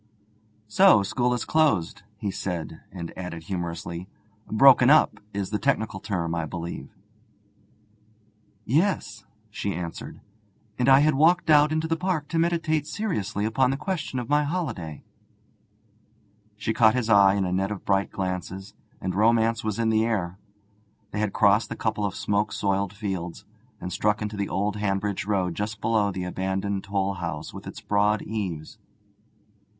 'So school is closed,' he said, and added humorously: '"Broken up" is the technical term, I believe.' 'Yes,' she answered, 'and I had walked out into the park to meditate seriously upon the question of my holiday.' She caught his eye in a net of bright glances, and romance was in the air. They had crossed a couple of smoke soiled fields, and struck into the old Hanbridge road just below the abandoned toll house with its broad eaves.